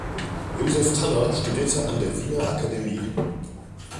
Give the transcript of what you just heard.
Joseph Tunner studierte an der Wiener Akademie.